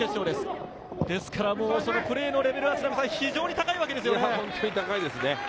ですから、そのプレーのレベルは非常に高いわけですよね。